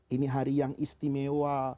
ini hari yang istimewa